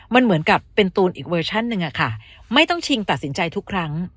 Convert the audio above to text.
มันเหมือนกับเป็นตูนอีกเวอร์ชั่นหนึ่งอะค่ะไม่ต้องชิงตัดสินใจทุกครั้ง